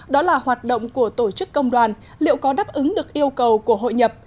đó là hoạt động của tổ chức công đoàn liệu có đáp ứng được yêu cầu của hội nhập